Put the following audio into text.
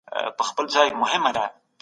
روښانه فکر ناامیدي نه راوړي.